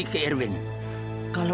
untuk menghabiskan diri saya